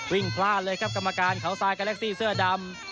วิ่งผลาญเลยครับกรรมการข่าวซ้ายแกล็กซี่เสื้อดำ